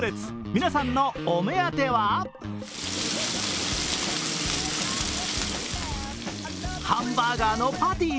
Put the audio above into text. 皆さんのお目当てはハンバーガーのパティ。